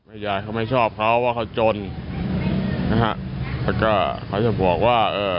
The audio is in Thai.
อาจารย์เขาไม่ชอบเขาว่าเขาจนแล้วก็เขาจะบอกว่า